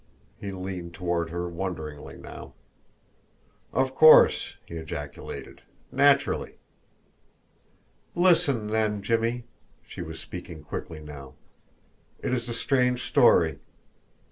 He leaned toward her wonderingly now. "Of course!" he ejaculated. "Naturally!" "Listen, then, Jimmie!" She was speaking quickly now. "It is a strange story.